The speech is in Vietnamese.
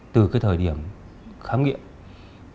từ cái thời điểm khám nghiệm